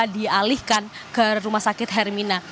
dialihkan ke rumah sakit hermina